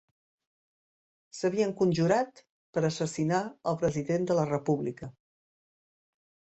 S'havien conjurat per assassinar el president de la república.